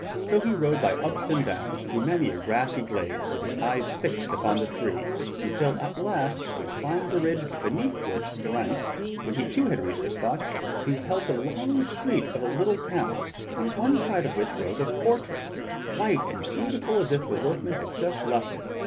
So he rode by ups and downs, through many a grassy glade, with his eyes fixed upon the three until at last they climbed a ridge beneath which Geraint when he too had reached the spot, beheld the long street of a little town on one side of which rose a fortress white and beautiful as if the workmen had just left it.